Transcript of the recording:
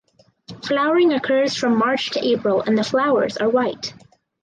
Flowering occurs from March to April and the flowers are white.